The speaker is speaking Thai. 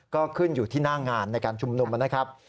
ก็ขึ้นอยู่ที่หน้างานในการชุมนุมนะครับ